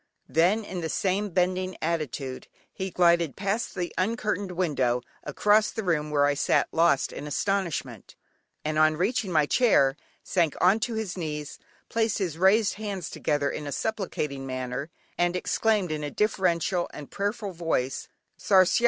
Then in the same bending attitude, he glided past the uncurtained window, across the room where I sat lost in astonishment, and on reaching my chair, sank on to his knees, placed his raised hands together in a supplicating manner, and exclaimed in a deferential and prayerful voice "Sarsiar."!